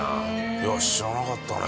いや知らなかったね。